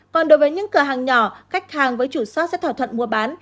còn đối với những cửa hàng nhỏ khách hàng với chủ shart sẽ thỏa thuận mua bán